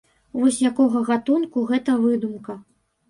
Вось якога гатунку гэта выдумка.